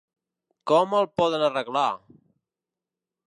Com el poden arreglar?